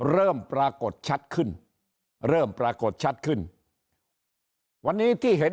เริ่มปรากฏชัดขึ้นเริ่มปรากฏชัดขึ้นวันนี้ที่เห็น